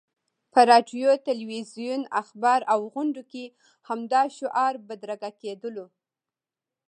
په راډیو، تلویزیون، اخبار او غونډو کې همدا شعار بدرګه کېدلو.